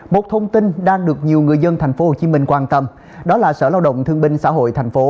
một thông tin đang được nhiều người dân thành phố hồ chí minh quan tâm đó là sở lao động thương binh xã hội thành phố